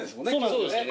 そうですね。